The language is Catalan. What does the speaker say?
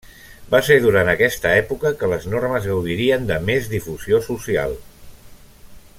Va ser durant aquesta època que les normes gaudirien de més difusió social.